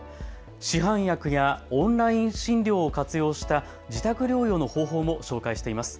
市販薬やオンライン診療を活用した自宅療養の方法も紹介しています。